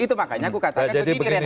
itu makanya aku katakan begini renat